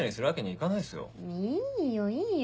いいよいいよ